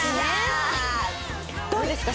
どうですか？